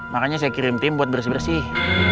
makanya saya kirim tim buat bersih bersih